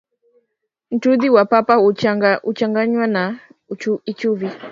Ntudhi wa papa hutanganywa na ichuvi.